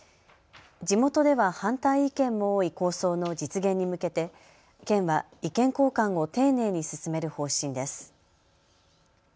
地元では反対意見も多い構想の実現に向けて県は意見交換を丁寧に進める方針です。